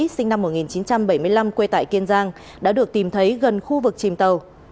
sinh năm một nghìn chín trăm bảy mươi năm quê tại kiên giang đã được tìm thấy gần khu vực chìm tàu